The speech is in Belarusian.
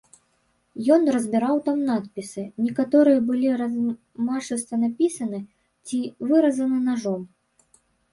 Ён разбіраў там надпісы, некаторыя былі размашыста напісаны ці выразаны нажом.